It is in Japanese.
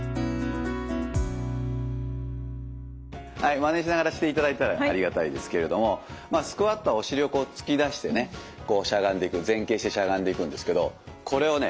マネしながらしていただいたらありがたいですけれどもスクワットはお尻を突き出してね前傾してしゃがんでいくんですけどこれをね